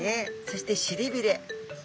そしてしりびれ。